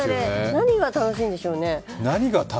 何が楽しいんでしょうね。